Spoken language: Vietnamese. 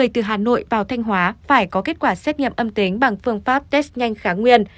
thanh hóa phải có kết quả xét nghiệm âm tính bằng phương pháp test nhanh kháng nguyên